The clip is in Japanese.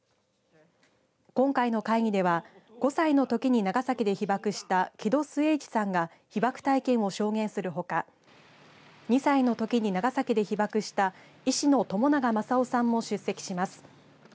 今回の会議では５歳のときに長崎で被爆した木戸季市さんが被爆体験を証言するほか２歳のときに長崎で被爆した医師の朝長万左男さんも出席します。